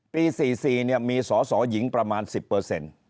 ปี๔๔มีสอสอหญิงประมาณ๑๐เปอร์เซ็นต์